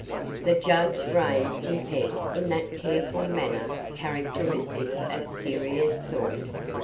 The judge raised his head in that careful manner characteristic of serious thought.